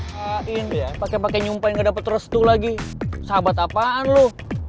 pak in pake pake nyumpain gak dapet restu lagi sahabat apaan lo